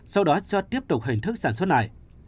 sau đó cho tiếp tục hình thức sản xuất này